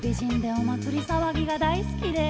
「お祭りさわぎが大好きで」